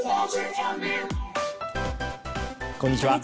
こんにちは。